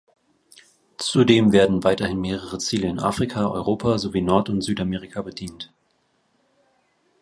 Zudem werden weiterhin mehrere Ziele in Afrika, Europa sowie Nord- und Südamerika bedient.